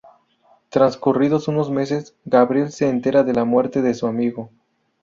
Transcurridos unos meses, Gabriel se entera de la muerte de su amigo.